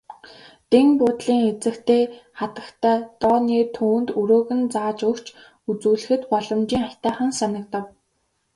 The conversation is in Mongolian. Дэн буудлын эзэгтэй хатагтай Дооне түүнд өрөөг нь зааж өгч үзүүлэхэд боломжийн аятайхан санагдав.